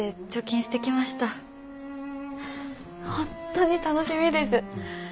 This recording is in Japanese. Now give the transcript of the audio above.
本当に楽しみです。